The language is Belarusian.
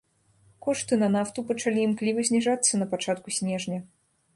Кошты на нафту пачалі імкліва зніжацца на пачатку снежня.